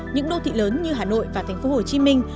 những đô thị lớn như hà nội và thành phố hồ chí minh